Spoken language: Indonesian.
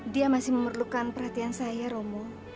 dia masih memerlukan perhatian saya romo